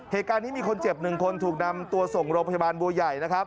เหตุการณ์นี้มีคนเจ็บ๑คนถูกนำตัวส่งโรงพยาบาลบัวใหญ่นะครับ